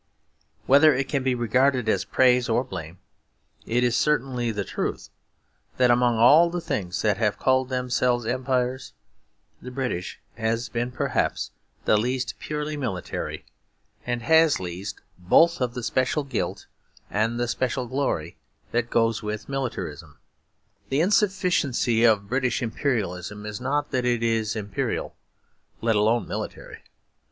Whether it be regarded as praise or blame, it is certainly the truth that among all the things that have called themselves empires, the British has been perhaps the least purely military, and has least both of the special guilt and the special glory that goes with militarism. The insufficiency of British Imperialism is not that it is imperial, let alone military.